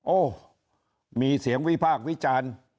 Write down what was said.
โอ้มีเสียงวิพากษ์วิจารณ์